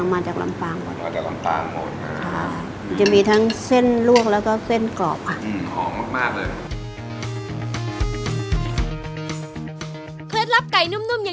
น้ำแกงจะชุ่มอยู่ในเนื้อไก่ค่ะ